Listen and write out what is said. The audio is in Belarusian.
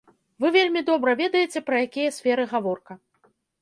Вы вельмі добра ведаеце, пра якія сферы гаворка.